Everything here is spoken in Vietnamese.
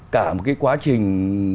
cả một cái quá trình